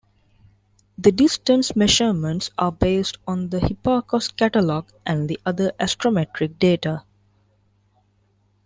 The distance measurements are based on the Hipparcos Catalogue and other astrometric data.